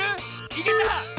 いけた！